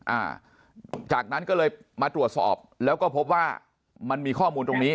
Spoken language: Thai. อ่าจากนั้นก็เลยมาตรวจสอบแล้วก็พบว่ามันมีข้อมูลตรงนี้